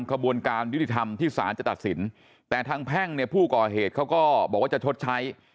ขบวนการยุติธรรมที่สารจะตัดสินแต่ทางแพ่งเนี่ยผู้ก่อเหตุเขาก็บอกว่าจะชดใช้